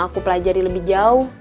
aku pelajari lebih jauh